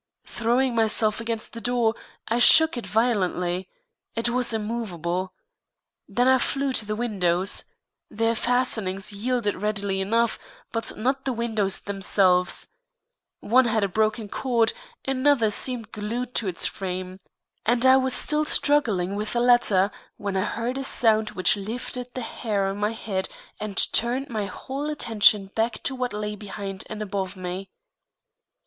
Throwing myself against the door, I shook it violently. It was immovable. Then I flew to the windows. Their fastenings yielded readily enough, but not the windows themselves; one had a broken cord, another seemed glued to its frame, and I was still struggling with the latter when I heard a sound which lifted the hair on my head and turned my whole attention back to what lay behind and above me.